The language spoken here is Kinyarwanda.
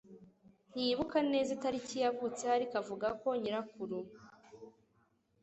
Ntiyibuka neza itariki yavutseho ariko avuga ko nyirakuru